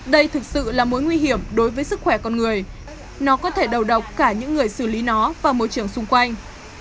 đây thực sự là mối nguy hiểm đối với sức khỏe con người nó có thể đầu độc cả những người xử lý nó và môi trường xung quanh